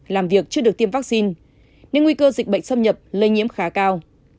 làm việc chưa được tiêm vaccine nên nguy cơ dịch bệnh xâm nhập lây nhiễm khá cao